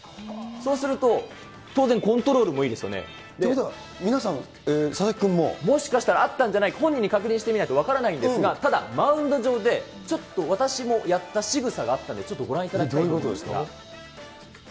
そうすると、当然、コントロールもいいですよね。ということは、皆さん、もしかしたら、あったんじゃないか、本人に確認してみないと分からないんですが、ただ、マウンド上でちょっと私もやったしぐさがあったんで、ちょっとごどういうことですか？